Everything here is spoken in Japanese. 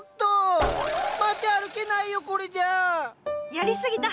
やり過ぎた！